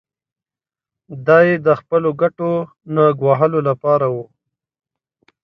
دا یې د خپلو ګټو نه ګواښلو لپاره و.